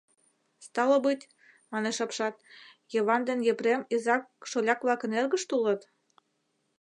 — Стало быть, — манеш апшат, — Йыван ден Епрем изак-шоляк-влакын эргышт улыт?